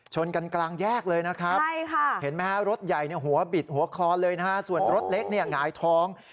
ชนกันกลางแยกเลยนะครับเห็นไหมฮะรถใหญ่หัวบิดหัวคลอนเลยนะฮะส่วนรถเล็กเนี่ยหงายท้อง